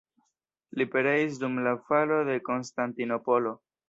Li pereis dum la falo de Konstantinopolo.